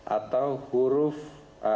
atau huruf a